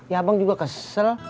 ya abang juga kesel